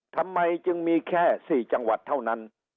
ทำไมจึงมีแค่๔จังหวัดเท่านั้น